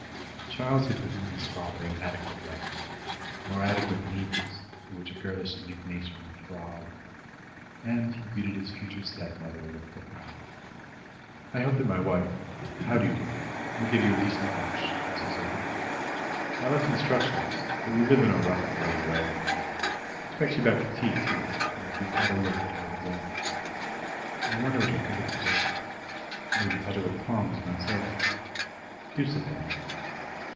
Charles had written his father an adequate letter more adequate than Evie's, through which a girlish indignation throbbed. And he greeted his future stepmother with propriety. "I hope that my wife how do you do? will give you a decent lunch," was his opening. "I left instructions, but we live in a rough and ready way. She expects you back to tea, too, after you have had a look at Howards End. I wonder what you'll think of the place. I wouldn't touch it with tongs myself. Do sit down!